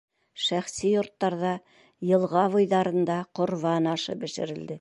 Шәхси йорттарҙа, йылға буйҙарында ҡорбан ашы бешерелде.